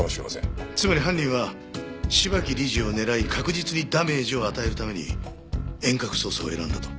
つまり犯人は芝木理事を狙い確実にダメージを与えるために遠隔操作を選んだと？